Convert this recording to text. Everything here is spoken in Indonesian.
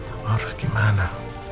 aku harus gimana